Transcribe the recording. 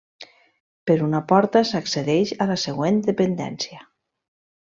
Per una porta s'accedeix a la següent dependència.